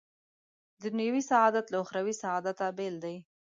دنیوي سعادت له اخروي سعادته بېل دی.